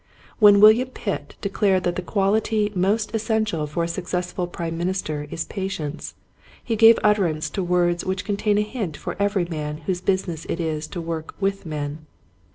When William Pitt declared that the quality most essential for a successful Prime Minister is Patience, he gave utter ance to words which contain a hint for every man whose business it is to work with men.